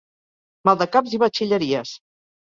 Maldecaps i batxilleries.